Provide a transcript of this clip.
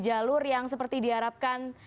jalur yang seperti diharapkan